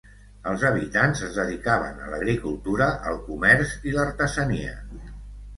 Els habitants es dedicaven a l'agricultura, el comerç i l'artesania.